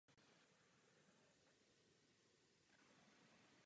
Pocházel z Alexandrie a měl britské občanství.